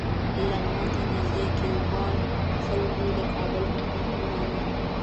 لغمان ته نږدې د کیلمان خلکو د کابل حکومت نه مانه.